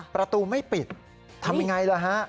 ประตูไม่ปิดทำยังไงล่ะฮะ